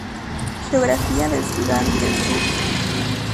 Geografía de Sudán del Sur